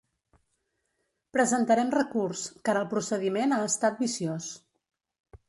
Presentarem recurs, car el procediment ha estat viciós.